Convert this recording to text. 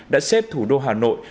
đã xếp thủ đô hà nội